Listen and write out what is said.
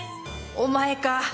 お前か！